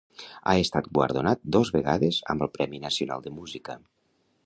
Ha estat guardonat dos vegades amb el Premi Nacional de Música.